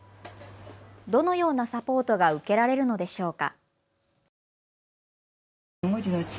どのようなサポートが受けられるのでしょうか。